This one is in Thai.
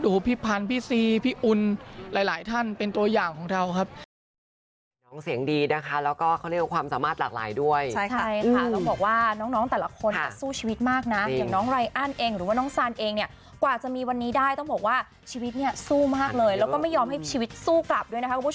พี่พันธ์พี่ซีพี่อุ่นหลายท่านเป็นตัวอย่างของเราครับ